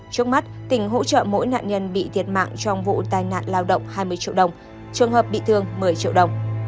trước mắt tỉnh hỗ trợ mỗi nạn nhân bị thiệt mạng trong vụ tai nạn lao động hai mươi triệu đồng trường hợp bị thương một mươi triệu đồng